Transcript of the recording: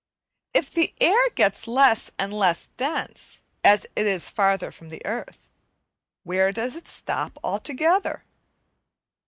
If the air gets less and less dense as it is farther from the earth, where does it stop altogether?